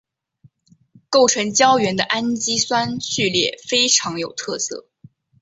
构成胶原的氨基酸序列非常有特色。